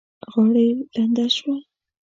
غاړه يې لنده شوه.